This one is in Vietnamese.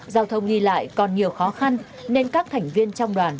giao thông nghi lại còn nhiều khó khăn nên các thành viên trong đoàn